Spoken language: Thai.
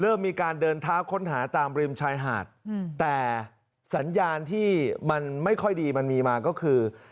เริ่มมีการเดินเท้าค้นหาตามริมชายหาดแต่สัญญาณที่มันไม่ค่อยดีมันมีมาก็คือ